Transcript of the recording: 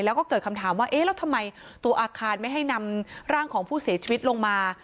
แล้วก็เกิดคำถามว่าเอ๊ะแล้วทำไมตัวอาคารไม่ให้นำร่างของผู้เสียชีวิตลงมา